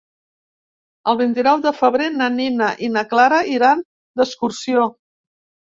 El vint-i-nou de febrer na Nina i na Clara iran d'excursió.